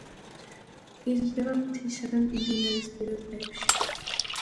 იზრდება მთისა და მდინარისპირა ტყეებში.